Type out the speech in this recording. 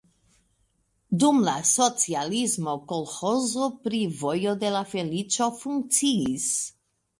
Dum la socialismo kolĥozo pri "Vojo de la Feliĉo" funkciis.